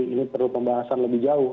ini perlu pembahasan lebih jauh